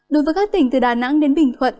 đối với các tỉnh từ đà nẵng đến bình thuận